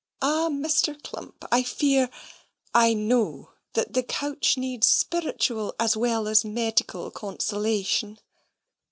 Ah, Mr. Clump! I fear, I know, that the couch needs spiritual as well as medical consolation."